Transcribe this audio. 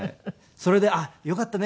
それであっよかったね